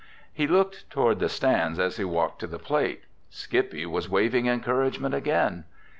He looked toward the stands as he walked to the plate. Skippy was waving encouragement again.